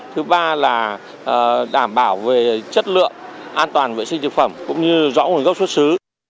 thứ ba là đảm bảo về chất lượng an toàn vệ sinh thực phẩm cũng như rõ nguồn gốc xuất xứ